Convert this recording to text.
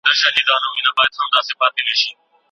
ټولنه به سوکاله پاتې شوې وي.